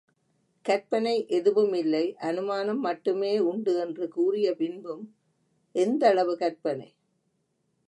கற்பனை எதுவும் இல்லை, அநுமானம் மட்டுமே உண்டு என்று கூறிய பின்பும், எந்தளவு கற்பனை?